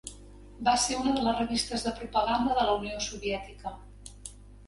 Va ser una de les revistes de propaganda de la Unió Soviètica.